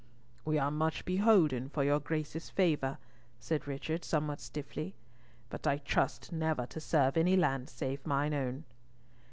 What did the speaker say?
"We are much beholden for your Grace's favour," said Richard, somewhat stiffly, "but I trust never to serve any land save mine own."